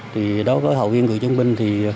thì đó có hậu viên cựu chiến binh